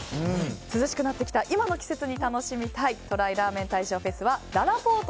涼しくなってきた今の季節に楽しみたいＴＲＹラーメン大賞フェスはららぽーと